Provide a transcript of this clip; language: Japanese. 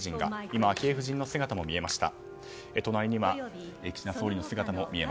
今、昭恵夫人の姿も見えました。